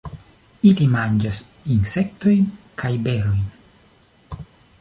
Ili manĝas insektojn kaj berojn.